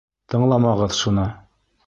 Тыңламағыҙ шуны!